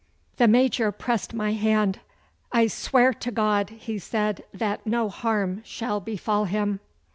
The Major pressed my hand. 'I swear to God,' he said, 'that no harm shall befall him.